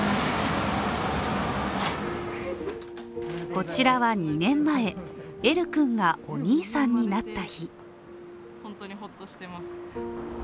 こちらは２年前、エル君がお兄さんになった日。